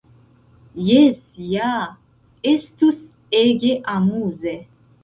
"Jes ja! Estus ege amuze!"